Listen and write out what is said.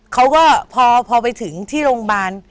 เขาก็พอไปถึงที่โรงพยาบาล